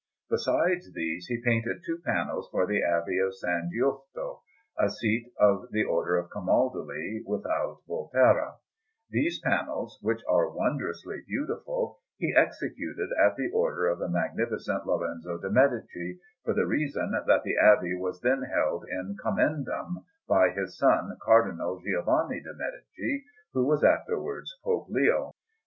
Besides these, he painted two panels for the Abbey of S. Giusto, a seat of the Order of Camaldoli, without Volterra; these panels, which are wondrously beautiful, he executed at the order of the Magnificent Lorenzo de' Medici, for the reason that the abbey was then held "in commendam" by his son Cardinal Giovanni de' Medici, who was afterwards Pope Leo.